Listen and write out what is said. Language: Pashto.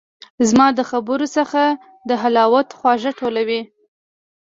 زما د خبرو څخه د حلاوت خواږه ټولوي